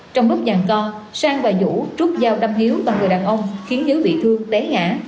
trong lúc dàn co sang và vũ trút giao đâm hiếu và người đàn ông khiến hiếu bị thương đé ngã